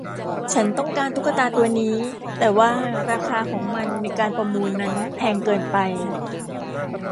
ฉันต้องการตุ๊กตาตัวนี้ แต่ว่าราคาของมันในการประมูลนั้นแพงเกินไป